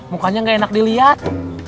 mukanya gak enak dilihat